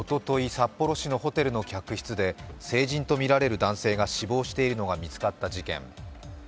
札幌市のホテルの客室で成人とみられる男性が死亡しているのが見つかった事件。